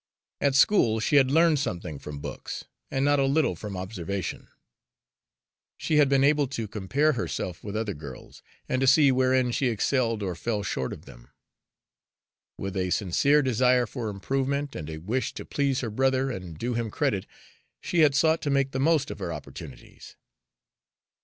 At school she had learned something from books and not a little from observation. She had been able to compare herself with other girls, and to see wherein she excelled or fell short of them. With a sincere desire for improvement, and a wish to please her brother and do him credit, she had sought to make the most of her opportunities.